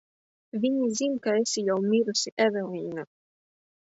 Viņi zin, ka esi jau mirusi, Evelīna!